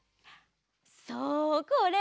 そうこれ！